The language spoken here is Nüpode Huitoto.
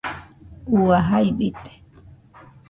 Ua, jai bite